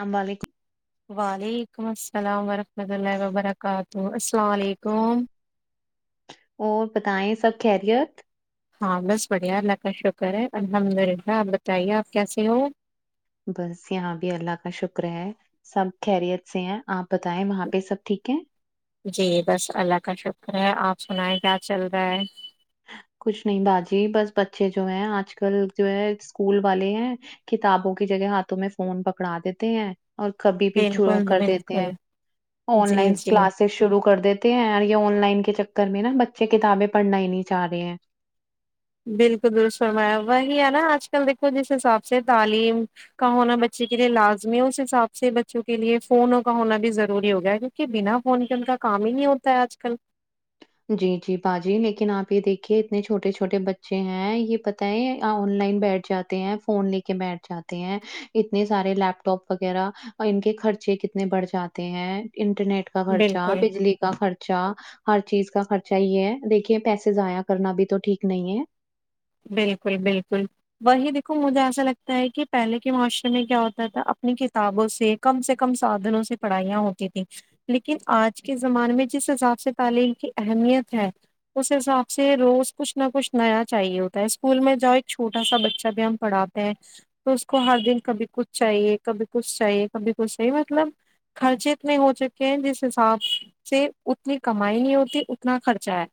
امبال کی وعلیکم السلام ورحمۃ اللہ وبرکاتہ السلام علیکم اور بتائیں سب خیریت ہاں بس بڑھیا اللہ کا شکر ہے الحمد اللہ آپ بتائیے آپ کیسے ہو بس یہاں بھی اللہ کا شکر ہے سب خیریت سے ہیں آپ بتائیں وہاں پہ سب ٹھیک ہے جی بس اللہ کا شکر ہے آپ سنائیں کیا چل رہا ہے کچھ نہیں باجی بس بچے جو ہیں آج کل جو ہے اسکول والے ہیں کتابوں کی جگہ ہاتھوں میں فون پکڑا دیتے ہیں اور کبھی بھی شروع بالکل کر دیتے بالکل ہیں آن جی لائن جی کلاس شروع کر دیتے ہیں اور یہ آن لائن کے چکر میں نا بچے کتابیں پڑھنا ہی نہیں چاہ رہے ہیں بالکل درست فرمایا وہی ہے نا آج کل دیکھو جس حساب سے تعلیم کا ہونا بچے کے لیے لازمی ہے اس حساب سے بچوں کے لیے فونوں کا ہونا بھی ضروری ہو گیا ہے کہ بنا فون کے ان کا کام ہی نہیں ہوتا ہے آج کل جی جی باجی لیکن آپ یہ دیکھیے اتنے چھوٹے چھوٹے بچے ہیں یہ پتا ہے آن لائن بیٹھ جاتا تے ہیں فون لے کے بیٹھ جاتے ہیں اتنے سارے لیپ ٹاپ وغیرہ ان کے خرچے کتنے بڑھ جاتے تے ہیں انٹرنیٹ کا خرچا بالکل بجلی کا خرچا ہر چیز اس کا خرچہ یہ ہے دیکھیے پیسے ضائع کرنا بھی تو ٹھیک نہیں ہے بالکل بالکل وہی دیکھو مجھے ایسا لگتا ہے کہ پہلے کے معاشرے میں کیا ہوتا تھا اپنی کتابوں سے کم سے کم سادھنوں سے پڑھائیاں ہوتی تھیں لیکن آج کے زمانے میں جس حساب سے تعلیم کی اہمیت ہے اس حساب سے روز کچھ نہ کچھ نیا چاہیے ہو اسکول میں جاؤ ایک چھوٹا سا بچہ بھی ہم پڑھاتے ہیں تو اس کو ہر دن کبھی کچھ چاہیے کبھی کچھ چاہیے کبھی کچھ چاہیے مطلب خرچے اتنے ہو چکے ہیں جس حساب سے اتنی کمائی نہیں ہوتی اتنا خرچہ ہے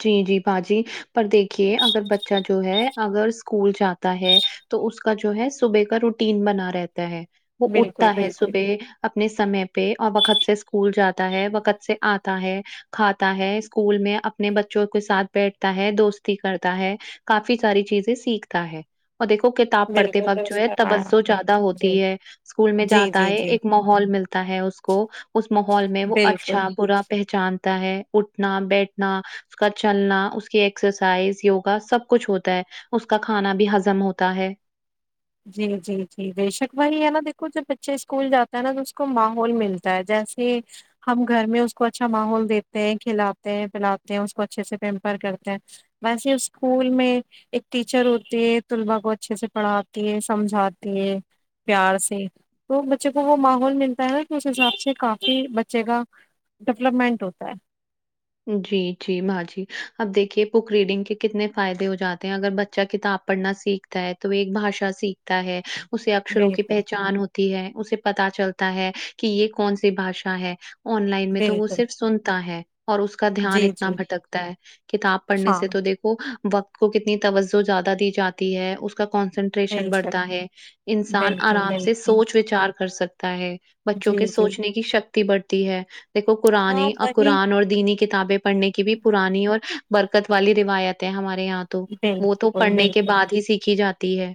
جی جی باجی پر دیکھیے اگر بچہ جو ہے اگر اسکول جاتا ہے تو اس کا جو ہے صبح کا روٹین بنا رہتا ہے وہ بالکل اٹھتا ہے بالکل صبح اپنے سمے پہ اور وقت سے اسکول جاتا ہے وقت سے آتا ہے کھاتا ہے اسکول میں اپنے بچوں کے ساتھ بیٹھتا ہے دوستی کرتا ہے کافی ساری چیزیں سیکھتا ہے اور دیکھو کتاب پڑھتے بالکل وقت جو درست ہے فرمایا توجہ آپ نے زیادہ جی ہوتی ہے اسکول میں جی جاتا جی ہے جی ایک ماحول ملتا ہے اس کو اس ماحول میں وہ بالکل اچھا برا پہچانتا ہے اٹھنا بیٹھ نا اس کا چلنا اس کی ایکسرسائز یوگا سب کچھ ہوتا ہے اس کا کھانا بھی ہزم ہوتا ہے جی جی جی بے شک وہی ہے نا دیکھو جب بچے اسکول جاتا ہے نا تو اس کو ماحول ملتا ہے جیسے ہم گھر میں اس کو اچھا ماحول دیتے ہیں کھلاتے ہیں پلاتے ہیں اس کو اچھے سے پیمپر کرتے ہیں ویسے اسکول میں ایک ٹیچر ہوتی ہے طلباء کو اچھے سے پڑھا تی ہے سمجھاتی ہے پیار سے تو بچے کو وہ ماحول ملتا ہے کی اس حساب سے کافی بچے کا ڈیولپمنٹ ہوتا ہے جی جی باجی اب دیکھیے بک ریڈنگ کے کتنے فائدے ہو جاتے ہیں اگر بچہ کتاب پڑھنا سیکھ تا ہے تو ایک بھشا سیکھتا ہے اسے اکشروں کی بالکل پہچان ہوتی ہے اسے پتہ چلتا ہے کی یے کون سی بھاشا ہے آن لائن میں تو وہ بالکل صرف سنتا ہے اور اس کو کا دھیان جی اتنا جی بھٹکتا ہے کتاب پڑھنے ہاں سے تو دیکھ کھو وقت کو کتنی توجہ زیادہ دی جاتی ہے اس کا کونسن ٹریشن بالکل بڑھتا ہے انسان بالکل آرام سے بالکل سوچ وچار کر سکتا ہے بچوں کے جی جی سوچنے کی شکتی بڑھتی ہے دیکو ہاں قرانی آ وہی قرآن اور دینی کتابیں پڑھنے کی بھی پرانی اور برکت والی روایت ہے ہمارے یہاں تو وہ تو بالکل پڑھنے کے بالکل بعد ہی سیکھی جاتی ہے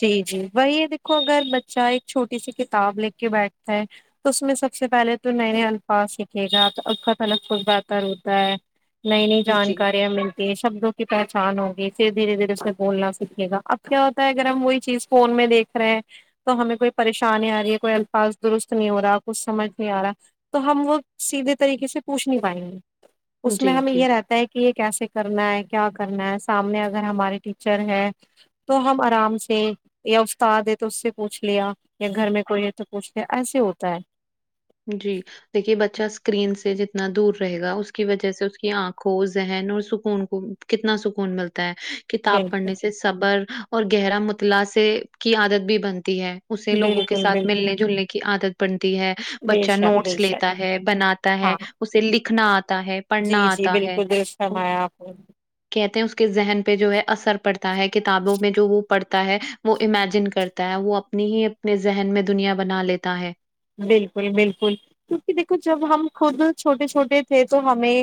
جی جی وہی دیکھو اگر بچہ ایک چھوٹی سی کتاب لے کے بیٹھتا ہے تو اس میں سب سے پہلے تو نئے نئے الفاظ سیکھے گا تو الت الگ بہتر ہوتا ہے نہیں نہیں جی جانکاریا اپ مل تی ہے شبدوں کی پہچان ہوگی پھر دھیرے دھیرے اسے بولنا سیکھے گا اب کیا ہوتا اگر ہم وہی چیز فون میں دیکھ رہے ہیں تو ہمیں کوئی پریشانی آ رہی ہے کوئی الفاظ درست نہیں ہو رہا کچھ سمجھ نہیں آ رہا تو ہم وہ سیدھے طریقے سے پوچھ نہیں پائیں گے اس میں جی ہمیں جی یے رہتا ہے کی یے کیسے کرنا ہے کیا کرنا ہے سامنے اگر ہمارے ٹیچر ہے تو ہم آرام سے یا استاد ہے تو اس سے پوچھ لیا یا گھر میں کوئی ہے تو پوچھ لیا ایسے ہوتا ہے جی دیکھیے بچہ اسکرین سے جتنا دور رہے گا اس کی وجہ سے اس کی آنکھوں ذہن اور سکون کو کتنا سکون ملتا ہے ہے کتاب بالکل پڑھنے سے صبر اور گہرا مطلاع سے کی عادت بھی بنتی ہے اسے لوگوں کے بالکل ساتھ بالکل ملنے جلنے کی عادت بڑتی ہے بے بچہ شک بے نوٹس شک لیتا ہے بناتا ہے ہاں اسے لکھنا آتا ہے جی پڑھنا جی آتا ہے بالکل درست اور فرمایا آپ نے کہتے ہیں اس کے ذہن پے جو ہے اثر پڑتا ہے کتابوں میں جو وہ پڑتا ہے وہ امیجن کرتا ہے وہ اپنی ہی اپنے ذہن میں دنیا بنا لیتا ہے بالکل بالکل کیونکی دیکھو جب ہم خود چھوٹے چھوٹے تھے تو ہمیں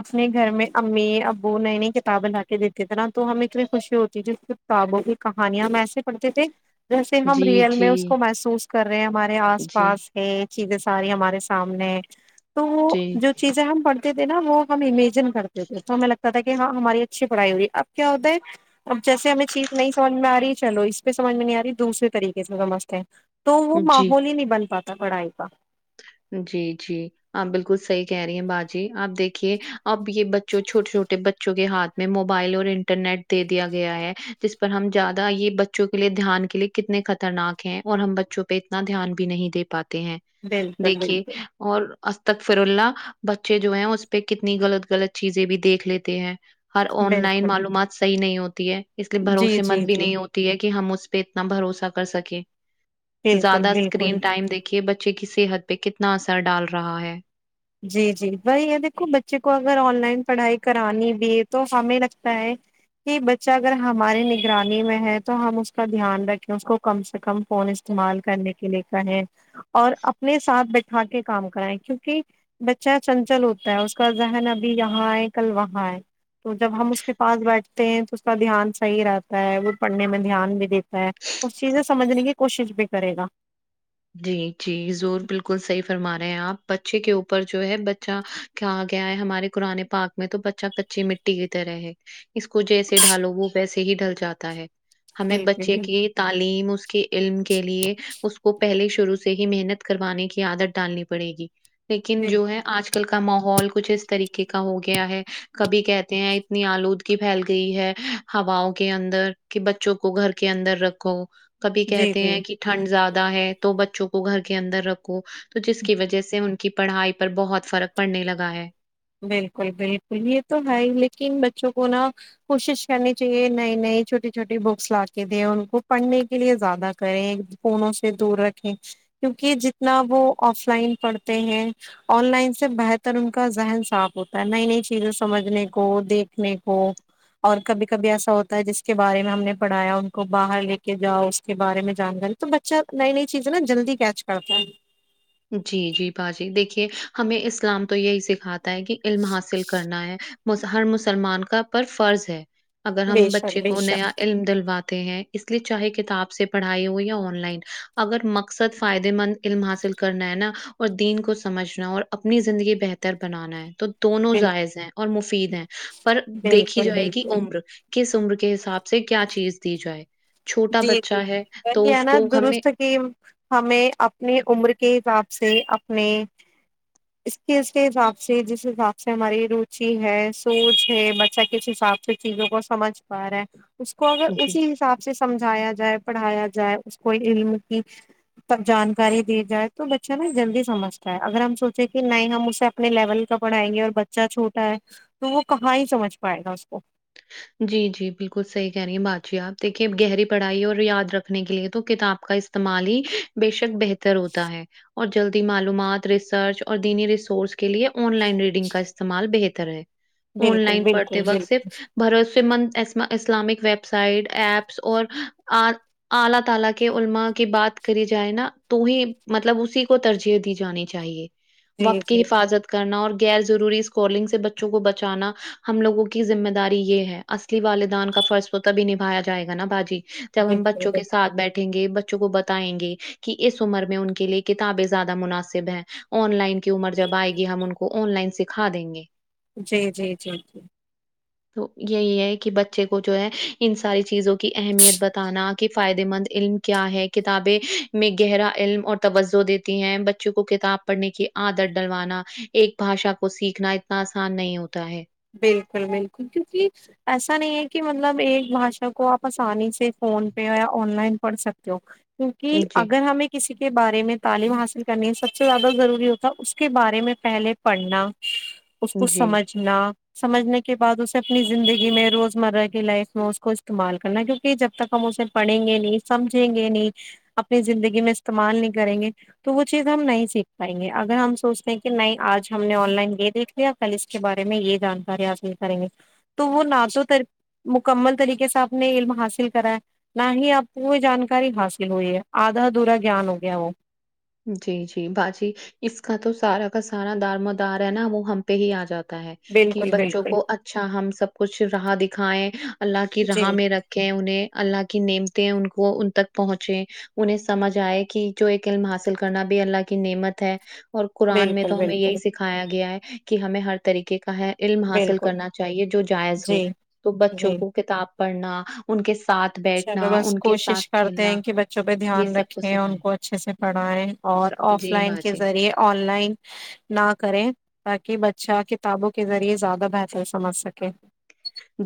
اپنے گھر میں امی ابو نئی نئی کتابیں لا کے دیتے تھے نا تو ہم اتنی خوشی ہوتی تھی کتابوں کی کہانیاں ہم ایسے پڑھتے تھے جیسے ہم جی ریئل میں جی اس کو محسوس کر رہے ہیں ہمارے آس جی یے چیزیں ساری ہمارے سامنے ہے تو جی جو چیزیں ہم پڑتے تھے نا وہ ہم امیجن کرتے تھے تو ہمیں لگ تا تھا کہ ہاں ہماری اچھی پڑھائی ہو رہی اب کیا ہوتا ہے اب جیسے ہمیں چیز نہیں سمجھ میں آ رہی ہے چلو اس پے سمج میں نہیں آ رہی دوسرے طریقے سے سمجھتے ہیں تو وہ جی ماحول ہی نہیں بن پاتا پڑھائی کا جی جی آپ بالکل صحیح کہہ رہی ہیں باجی آپ دیکھیے اب یے بچوں چھوٹے چھوٹے بچوں کے ہاتھ میں موبائل اور انٹرنیٹ دے دیا گیا ہے جس پر ہم زیادہ یے بچوں کے لیے دھیان کے لیے کتنے خطرناک ہیں اور ہم بچوں پے اتنا دھیان بھی نہیں دے پاتے ہیں بالکل دیکھیے بالکل اور استغفر اللہ بچے جو ہیں اس پہ کتنی غلط غلط چیزیں بھی دیکھ لیتے ہیں ہر آن لائن بالکل معلومات صحیح نہیں ہوتی ہے اس لیے جی بھروسے جی مند بھی جی نہیں ہوتی ہے کہ ہم اس پہ اتنا بھروسہ کر سکیں بالکل زیادہ بالکل اسکرین ٹائم دیکھ بچے کی صحت پہ کتنا اثر ڈال رہا ہے جی جی وہی یہ دیکھو بچے کو اگر آن لائن پڑھائی کرانی بھی ہے تو ہمیں لگتا ہے کہ بچہ اگر ہماری نگرانی میں ہے تو ہم اس کا دھیان رکھیں اس کو کم سے کم فون استعمال کرنے کے لیے کریں اور اپنے ساتھ بیٹھا کے کام کرائیں کیونکہ بچہ چنچل ہوتا ہے اس کا ذہن ابھی یہاں آئے کل وہاں آئے تو جب ہم اس کے پاس بیٹھتے ہیں تو اس کا دھیان صحیح رہتا ہے وہ پڑھنے میں دھیان بھی دیتا ہے اس چیزیں سمجھنے کی کوشش بھی کرے گا جی جی زور بالکل صحیح فرما رہے ہیں آپ بچے کے اوپر جو ہے بچہ کہا گیا ہے ہمارے قران ے پاک میں تو بچہ کچی مٹی کی طرح ہے اس کو جیسے ڈھالو وہ ویسے ہی ڈھل جاتا ہے ہمیں بالکل بچے بالکل کی تعلیم اس کے علم کے لیے اس پہلے شروع سے ہی محنت کروانے کی عادت ڈالنی پڑے گی لیکن جو بالکل ہے آج کل آ کل کا ماحول کچھ اس طریقے کا ہو گیا ہے کبھی کہتے ہیں اتنی آلودگی پھیل گئی ہے ہواؤ کے اندر کہ بچوں کو گھر کے اندر رکھو کبھی جی کہتے جی ہیں کہ ٹھنڈ زیادہ ہے تو بچوں کو گھر کے اندر رکھو تو جس کی وجہ سے ان کی پڑھائی پر بہت فرق پڑنے لگا ہے بالکل بالکل یہ تو ہے ہی لیکن بچوں کو نا کوشش کرنی چاہیے نئی نئی چھوٹی چھوٹی بکس لا کے دیں ان کو پڑھنے کے لیے زیادہ کریں فونوں سے دور رکھیں کیونکہ جتنا وہ آف لائن پڑھتے ہیں آن لائن سے بہتر ان کا ذہن صاف ہوتا ہے نئی نئی چیزیں سمجھنے کو دیکھنے کو اور کبھی کبھی ایسا ہوتا ہے جس کے بارے میں ہم نے پڑھایا ان کو باہر لے کے جاؤ اس کے بارے میں جان تو بچہ نئی نئی چیزیں نا جلدی کیچ کرتا ہے جی جی باجی دیکھیے ہمیں اسلام تو یہی سکھاتا ہے کہ علم حاصل کرنا ہے ہر مسلمان کا پر فرض ہے اگر بے ہم شک بچے بے کو نیا شک علم دلواتے ہیں اس لیے چاہے کتاب سے پڑھائی ہو یا آن لائن اگر مقصد فائدے مند علم حاصل کرنا ہے نا اور دین کو سمجھنا اور اپنی زندگی بہتر بنانا ہے تو دونوں بال جائز ہیں اور مفید ہیں پر دیکھی بالکل جائے گی بالکل عمر کس عمر کے حساب سے کیا چیز دی جائے چھوٹا جی بچہ جی ہے تو وہی ہے اس نا کو ہمیں درست کہ ہمیں اپنی عمر کے حساب سے اپنے اس کے اس کے حساب سے جس حساب سے ہماری روچی ہے سوچ ہے بچہ کس حساب سے اچ چیزوں کو سمجھ پا رہا ہیں اس کو اگر جی۔ اسی اسے سمجھایا جائے پڑھایا جائے اس کو علم کی تب جانکاری دی جائے تو بچہ نا جلدی سمجھتا ہے اگر ہم سوچیں کہ نہیں ہم اسے اپنے لیول کا پڑھائیں گے اور بچہ چھوٹا ہے تو وہ کہاں ہی سمجھ پائے گا اس کو جی جی بالکل صحیح کہہ رہی ہیں باجی آپ دیکھیے گہری پڑھائی اور یاد رکھنے کے لیے تو کتاب کا اس استعمال ہی بےشک بہتر ہوتا ہے اور جلدی معلومات ریسرچ اور دینی ریسورس کے لیے آن لائن ریڈنگ کا استعمال بہتر ہے آن بالکل لائن پڑھتے بالکل وقت بالکل صرف بھروس مند اسلامک ویب سائٹ ایپس اور الله تعالی کے علماء کی بات کری جائے نا تو ہی مطلب اسی کو ترجی دی جانی چاہیے جی وقت جی کی حفاظت کرنا اور غیر ضروری اسکالنگ سے بچوں کو بچانا ہم لگوں کی ذمہ داری یہ ہے اصلی والدان کا فرض تو تبھی نبھایا جائے گا نا باجی جب ہم بالکل بچوں کے بالکل ساتھ بیٹھے یں گے بچوں کو بتائیں گے کہ اس عمر میں ان کے لیے کتابیں زیادہ مناسب ہیں آن لائن کی عمر جب آئے گی ہم ان کو آن لائن سکھا دیں گے جی جی جی جی تو یہی ہے کی بچے کو جو ہے ان ساری چیزوں کی اہمیت بتانا کی فائدے مند علم کیا ہے کتابیں میں گہرا علم اور توجہ دیتی ہیں بچوں کو کتاب پڑھنے کی آدت ڈلوانا ایک بھاشا کو سیکھنا اتنا آسان نہیں ہوتا ہے بالکل بالکل کیونکی ایسا نہیں ہے کی مطلب ایک بھاشا کو آپ آسانی سے فون پے یا آن لائن پڑھ سکتے ہو کیونکی جی اگر ہمیں کسی کے بارے میں تعلیم حاصل کرنی سب سے زیادہ ضروری ہوتا اس کے بارے میں پہلے پڑھنا اس کو جی سمجھنا سمجھنے کے بعد اسے اپنی زندگی میں روزمرہ کی لائف میں اس کو استعمال کرنا کیو کی جب تک ہم اسے پڑھیں گے نہیں سمجھیں گے نہیں اپنی زندگی میں استعمال نہیں کریں گے تو وہ چیز ہم نہیں سیکھ پائیں گے اگر ہم سوچتے ہیں کی نہیں آج ہم نے آن لائن یے دیک یا کل اس کے بارے میں یے جانکاری آصل کریں گے تو وہ نہ تو تر مکمل طریقے سےاپ نے علم حاصل کرا ہے نہ ہی آپ کو کوئی جانکاری حاصل ہوئی ہے آدھا دھورا گیان ہو گیا وہ جی جی باجی اس کا تو سارا کا سارا دارومدار ہے نا وہ ہم پے ہی آ جاتا ہے کی بالکل بچوں بالکل کو اچھا ہم سب کچھ رہا دکھائے الله کی راہ جی میں رکھ کھے انہیں الله کی نیمتے ہیں ان کو ان تک پہنچے انہیں سمجھ آئے کی جو ایک علم حاصل کرنا بھی اللہ کی نعمت ہے اور قرآن میں بالکل تو ہمیں یہی بالکل سکھایا گیا ہے کہ ہمیں ہر طریقے کا ہے علم حاصل بالکل کرنا چاہیے جو جائز ہو جی تو بچوں جی کو کتاب پڑھنا ان کے ساتھ چلو بیٹھنا، بس ان کے کوشش ساتھ کرتے کھیلنا، ہیں کی بچوں پے یہ دھیان سب رکھیں ان سکھائیں۔ کو اچھے سے پڑھائیں اور آف جی، لائن کے باجی۔ ذریعے آن لائن نہ کریں تاکی بچہ کتابوں کے ذریعے زیادہ بہتر سمجھ سکے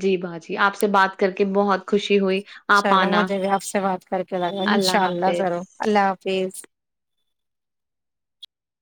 جی باجی آپ سے بات کر کے بہت خوشی ہوئی آپ چلو مجھے آنا مجھے بھی آپ سے بات کر کے لگا انشاء اللہ ضرور اللہ حافظ